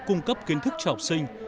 cung cấp kiến thức cho học sinh